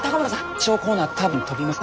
気象コーナー多分飛びます。